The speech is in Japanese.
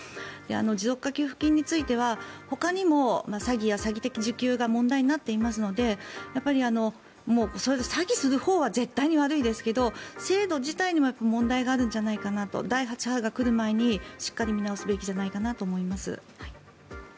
持続化給付金についてはほかにも詐欺や詐欺的受給が問題になっていますのでそれで詐欺するほうが絶対に悪いですけど制度自体にも問題があるのではと第８波が来る前にしっかり見直すべきじゃないかなと思います。